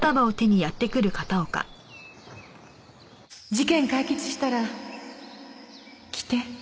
事件解決したら来て。